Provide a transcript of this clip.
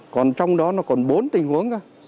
còn trong đó nó còn bốn tình huống cơ